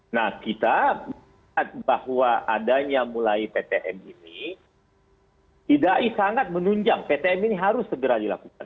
nah kita melihat bahwa adanya mulai ptm ini idai sangat menunjang ptm ini harus segera dilakukan